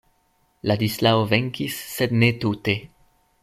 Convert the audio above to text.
Ladislao venkis, sed ne tute.